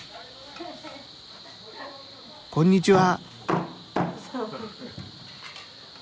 こんにちは。